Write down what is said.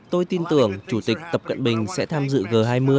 tôi tin tưởng chủ tịch tập cận bình sẽ tham dự g hai mươi